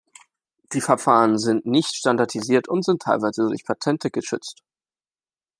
Die Verfahren sind nicht standardisiert und sind teilweise durch Patente geschützt.